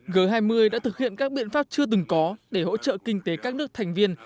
g hai mươi đã thực hiện các biện pháp chưa từng có để hỗ trợ kinh tế các nước thành viên